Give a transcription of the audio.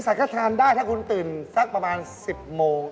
แค่ทานได้ถ้าคุณตื่นสักประมาณ๑๐โมง